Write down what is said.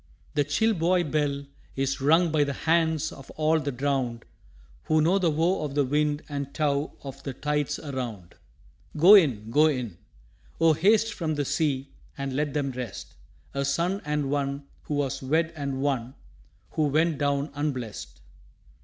The chill buoy bell is rung by the hands Of all the drowned, Who know the woe of the wind and tow Of the tides around. Go in, go in! Oh, haste from the sea, And let them rest A son and one who was wed and one Who went down unblest.